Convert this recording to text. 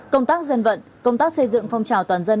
công tác dân vận công tác xây dựng phong trào toàn dân